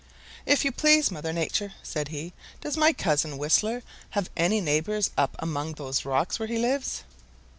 "If you please, Mother Nature," said he, "does my cousin, Whistler, have any neighbors up among those rocks where he lives?"